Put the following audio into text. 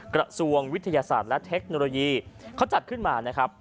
กระทรวงวิทยาศาสตร์และเทคโนโลยีเขาจัดขึ้นมานะครับ